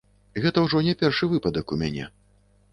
Гэта ж ужо не першы выпадак у мяне.